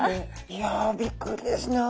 いやびっくりですね。